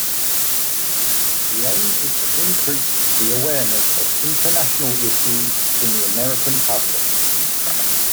The aim is to increase the awareness of international issues in the American public.